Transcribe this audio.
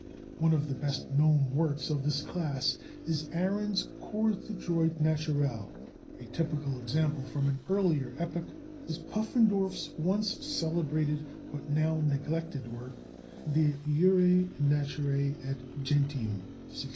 One of the best known works of this class is Ahrens' Cours de Droit Naturel. A typical ex ample from an earlier epoch is Pufendorf's once celebrated but now neglected work, De Jure Naturae et Gentium (1672).!